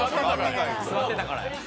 座ってたからや。